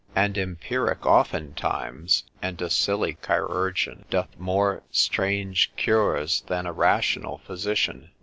An empiric oftentimes, and a silly chirurgeon, doth more strange cures than a rational physician.